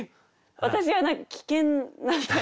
私は何か危険な。